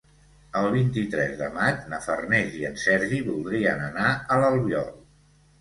El vint-i-tres de maig na Farners i en Sergi voldrien anar a l'Albiol.